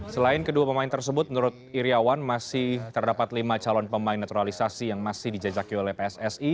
selain kedua pemain tersebut menurut iryawan masih terdapat lima calon pemain naturalisasi yang masih dijajaki oleh pssi